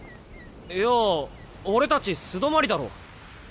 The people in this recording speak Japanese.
いや俺たち素泊まりだろ？